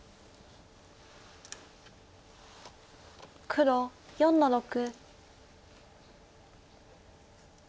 黒４の六。